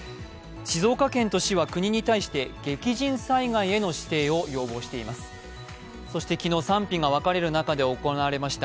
静岡県と市は国に対して激甚災害の指定を要望しています。